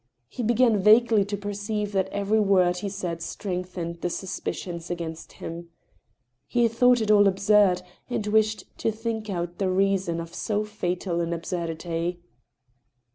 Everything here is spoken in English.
He began vaguely to perceive that every word he said strengthened the suspicions against him. He thought it all absurd, and wished to think out the reason of so fatal an absurdity.